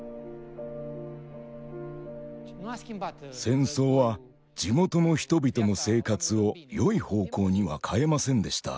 戦争は地元の人々の生活をよい方向には変えませんでした。